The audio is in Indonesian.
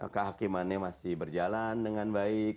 kehakimannya masih berjalan dengan baik